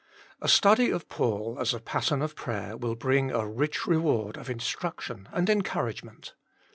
A study of Paul as a pattern of prayer will bring a rich reward of instruction and encouragement.